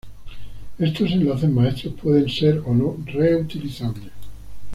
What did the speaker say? Estos enlaces maestros pueden ser o no reutilizables.